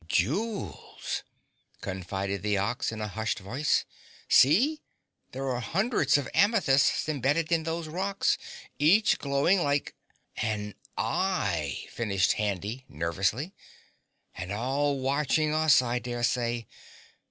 "Jewels!" confided the Ox in a hushed voice. "See, there are hundreds of amethysts embedded in those rocks, each glowing like " "An eye!" finished Handy nervously. "And all watching us, I dare say.